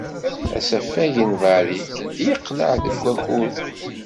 Asafag n Varig yeqleɛ deg wakud.